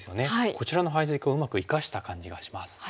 こちらの配石をうまく生かした感じがします。